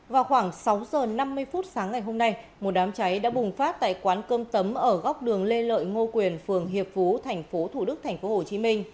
vào khoảng sáu giờ năm mươi phút sáng ngày hôm nay một đám cháy đã bùng phát tại quán cơm tấm ở góc đường lê lợi ngô quyền phường hiệp phú tp thủ đức tp hcm